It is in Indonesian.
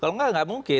kalau enggak gak mungkin